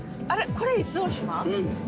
これが伊豆大島？